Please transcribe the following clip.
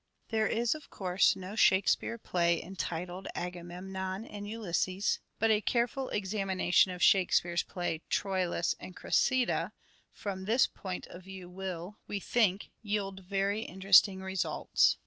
There is, of course, no Shakespeare play entitled " Agamemnon and Ulysses "; but a careful examina tion of Shakespeare's play, " Troilus and Cressida," from this point of view will, we think, yield very interesting results.